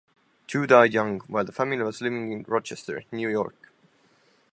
Two died young, while the family was living in Rochester, New York.